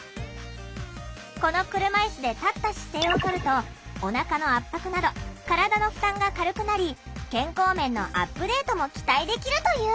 この車いすで立った姿勢をとるとおなかの圧迫など体の負担が軽くなり健康面のアップデートも期待できるという。